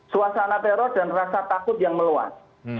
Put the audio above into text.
suasana teror dan rasa takut yang meluas